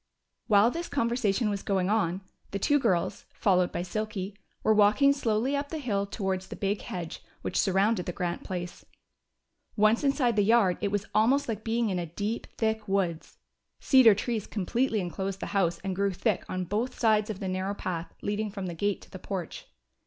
While this conversation was going on, the two girls, followed by Silky, were walking slowly up the hill towards the big hedge which surrounded the Grant place. Once inside the yard, it was almost like being in a deep, thick woods. Cedar trees completely enclosed the house and grew thick on both sides of the narrow path leading from the gate to the porch.